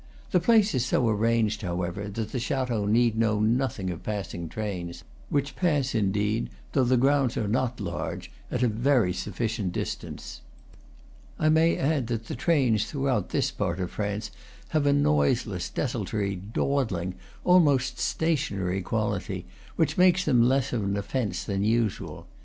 The place is so arranged, however, that the chateau need know nothing of passing trains, which pass, indeed, though the grounds are not large, at a very sufficient distance. I may add that the trains throughout this part of France have a noiseless, desultory, dawdling, almost stationary quality, which makes them less of an offence than usual.